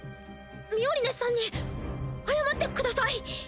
ミオリネさんに謝ってください。